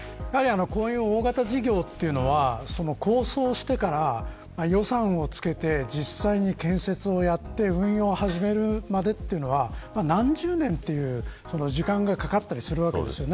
こういう大型事業は構想してから予算をつけて、実際に建設をやって運用を始めるまでというのは何十年という時間がかかったりするわけです。